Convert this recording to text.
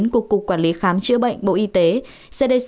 của cục quản lý khám chữa bệnh bộ y tế